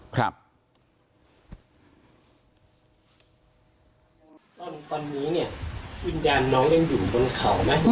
ตอนนี้เนี่ยวิญญาณน้องยังอยู่บนเขาไหม